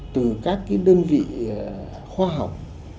từ các cái đơn vị khoa học